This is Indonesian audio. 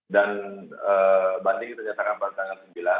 dan banding kita nyatakan pada tanggal sembilan